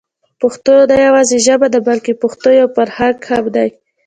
پښتو نه يوازې ژبه ده بلکې پښتو يو فرهنګ هم دی.